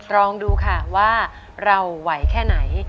ลองดูค่ะว่าเราไหวแค่ไหน